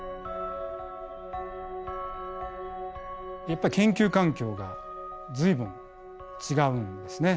やっぱ研究環境が随分違うんですね。